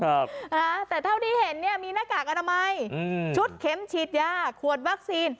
อ่าแต่เท่าที่เห็นเนี่ยมีหน้ากากอนามัยอืมชุดเข็มฉีดยาขวดวัคซีน